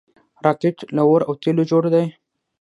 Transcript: راکټ له اور او تیلو جوړ دی